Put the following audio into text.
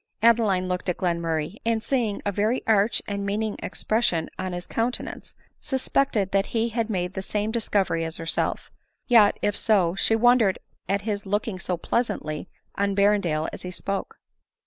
Adeline looked at Glenmurray, and, seeing a very arch and meaning expression on his countenance, suspected that he had made the same discovery as herself; yet, if so, she wondered at bis looking so pleasantly on Berren dale as he spoke.